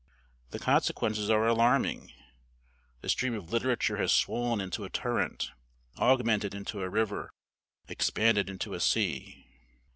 The consequences are alarming. The stream of literature has swollen into a torrent augmented into a river expanded into a sea.